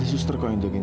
dan kita bisa siapkan